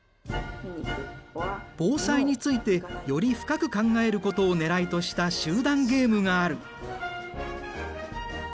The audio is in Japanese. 防災についてより深く考えることをねらいとした集団ゲームがある。